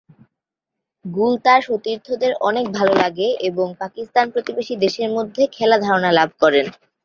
গুল তার সতীর্থদের অনেক ভালো লাগে এবং পাকিস্তান প্রতিবেশী দেশের মধ্যে খেলা ধারণা লাভ করেন।